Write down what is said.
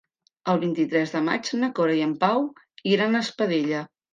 El vint-i-tres de maig na Cora i en Pau iran a Espadella.